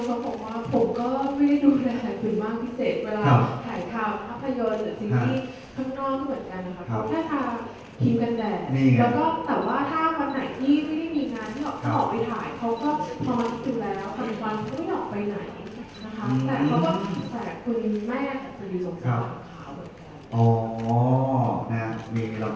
ศข้างนอกเหมือนกันนะค่ะ